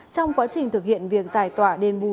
trong quá trình thực hiện việc giải tỏa đền bù